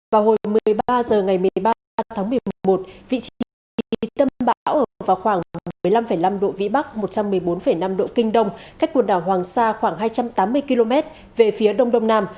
vào hồi một mươi ba h ngày một mươi ba ba tháng một mươi một vị trí tâm bão ở vào khoảng một mươi năm năm độ vĩ bắc một trăm một mươi bốn năm độ kinh đông cách quần đảo hoàng sa khoảng hai trăm tám mươi km về phía đông đông nam